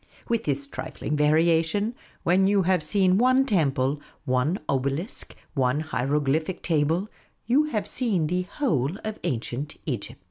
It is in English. With this trifling varia tion, when you have seen one temple, one obelisk, one hiero glyphic table, you have seen the whole of Ancient Egypt.